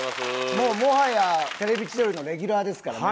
もうもはや『テレビ千鳥』のレギュラーですからね。